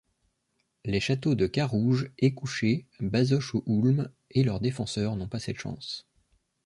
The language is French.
Les châteaux de Carrouges, Écouché, Bazoches-au-Houlme… et leurs défenseurs n'ont pas cette chance.